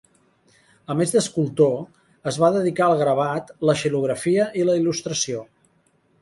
A més d'escultor, es va dedicar al gravat, la xilografia i la il·lustració.